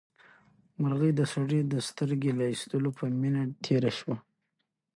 مرغۍ د سړي د سترګې له ایستلو په مینه تېره شوه.